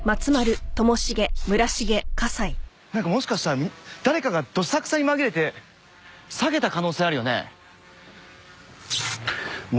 ［しかし］もしかしたら誰かがどさくさに紛れて下げた可能性あるよね。